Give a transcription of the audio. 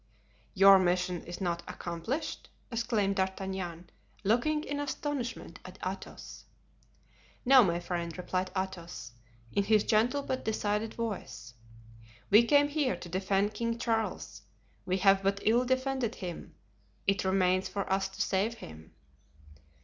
"Your mission is not accomplished?" exclaimed D'Artagnan, looking in astonishment at Athos. "No, my friend," replied Athos, in his gentle but decided voice, "we came here to defend King Charles; we have but ill defended him—it remains for us to save him!"